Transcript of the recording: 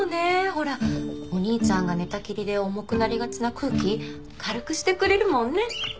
ほらお兄ちゃんが寝たきりで重くなりがちな空気軽くしてくれるもんね。